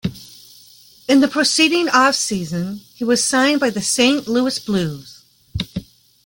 In the proceeding off season, he was signed by the Saint Louis Blues.